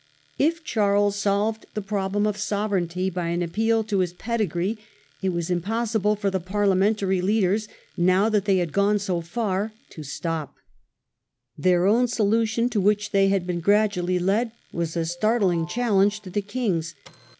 If Charles solved the problem of sovereignty by an appeal to his pedigree it was impossible for the Parlia mentary leaders, now that they had gone so Parliamentary far, to stop. Their own solution, to which ^*^"'*^^" they had been gradually led, was a startling challenge to the king's.